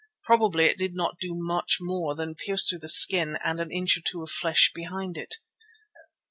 Probably it did not do much more than pierce through the skin and an inch or two of flesh behind it.